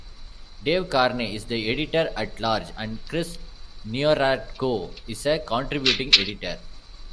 Dave Carnie is the editor-at-large and Chris Nieratko is a contributing editor.